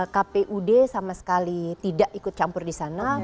kpud sama sekali tidak ikut campur di sana